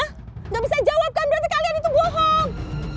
tidak bisa jawab kan berarti kalian itu bohong